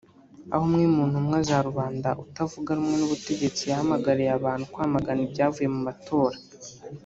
aho umwe mu ntumwa za rubanda utavuga rumwe n’ubutegetsi yahamagariye abantu kwamagana ibyavuye mu matora